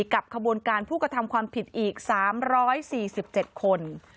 กับขบวนการผู้กระทำความผิดอีก๓๔๗คน